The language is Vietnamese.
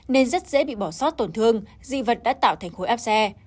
nên rất dễ bị bỏ sót tổn thương dị vật đã tạo thành khối áp xe